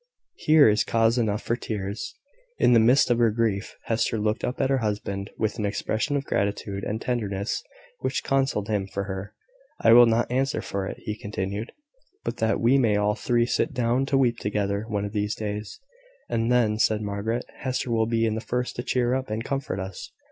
Here is cause enough for tears." In the midst of her grief, Hester looked up at her husband with an expression of gratitude and tenderness which consoled him for her. "I will not answer for it," he continued, "but that we may all three sit down to weep together, one of these days." "And then," said Margaret, "Hester will be the first to cheer up and comfort us."